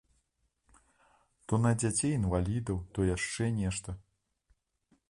То на дзяцей інвалідаў, то яшчэ нешта.